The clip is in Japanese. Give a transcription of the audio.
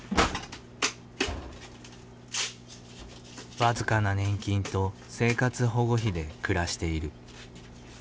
僅かな年金と生活保護費で暮らしている。